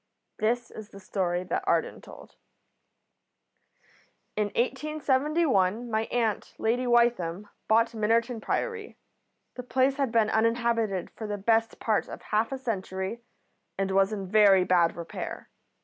This is the story that Arden told. "In 1871 my aunt, Lady Wytham, bought Minnerton Priory. The place had been uninhabited for the best part of half a century, and was in very bad repair.